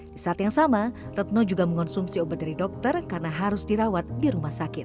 di saat yang sama retno juga mengonsumsi obat dari dokter karena harus dirawat di rumah sakit